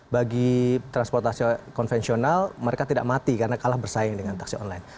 bagi transportasi konvensional mereka tidak mati karena kalah bersaing dengan taksi online